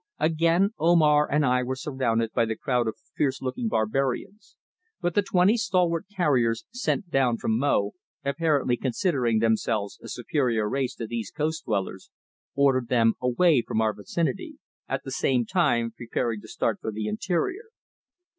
Again Omar and I were surrounded by the crowd of fierce looking barbarians, but the twenty stalwart carriers sent down from Mo, apparently considering themselves a superior race to these coast dwellers, ordered them away from our vicinity, at the same time preparing to start for the interior.